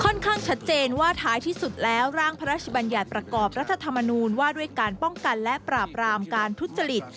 ข้างชัดเจนว่าท้ายที่สุดแล้วร่างพระราชบัญญัติประกอบรัฐธรรมนูญว่าด้วยการป้องกันและปราบรามการทุจริต